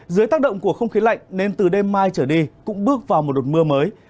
dưới tác động của không khí lạnh nên từ đêm mai trở đi cũng bước vào một đợt mưa mới